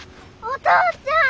お父ちゃん。